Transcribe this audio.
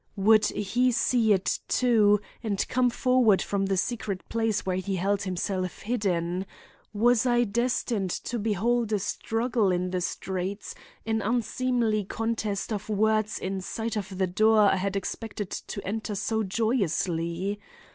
Would he see it, too, and come forward from the secret place where he held himself hidden? Was I destined to behold a struggle in the streets, an unseemly contest of words in sight of the door I had expected to enter so joyously?